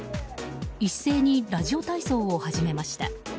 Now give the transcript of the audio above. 一斉にラジオ体操を始めました。